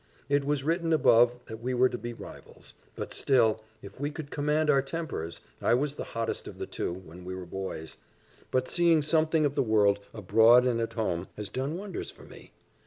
It was written above, that we were to be rivals. But still, if we could command our tempers I was the hottest of the two, when we were boys; but seeing something of the world, abroad and at home, has done wonders for me.